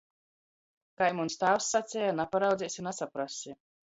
Kai muns tāvs saceja, naparaudzeisi, nasaprassi.